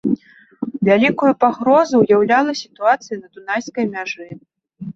Вялікую пагрозу ўяўляла сітуацыя на дунайскай мяжы.